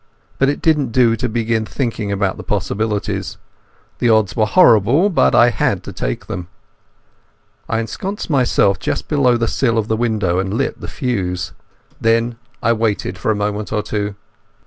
But it didn't do to begin thinking about the possibilities. The odds were horrible, but I had to take them. I ensconced myself just below the sill of the window, and lit the fuse. Then I waited for a moment or two.